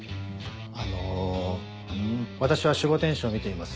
あの私は守護天使を見ています。